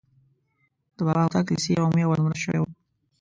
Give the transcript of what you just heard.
د بابا هوتک لیسې عمومي اول نومره شوی وم.